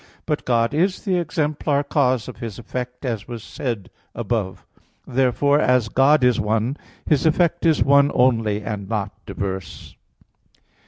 But God is the exemplar cause of His effect, as was said above (Q. 44, A. 3). Therefore, as God is one, His effect is one only, and not diverse.